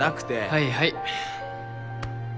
はいはい。